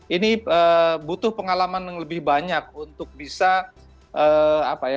ini butuh pengalaman yang lebih banyak untuk bisa